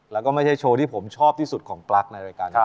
แล้วก็ไม่ใช่โชว์ที่ผมชอบที่สุดของปลั๊กในรายการนี้